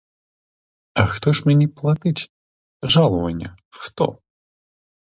А хто ж мені платить жалування, хто?